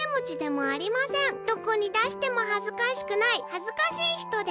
どこにだしてもはずかしくないはずかしいひとです」。